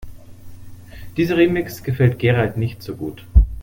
Dieser Remix gefällt Gerald nicht so gut.